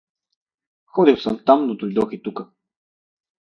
— Ходил съм там, но дойдох и тука.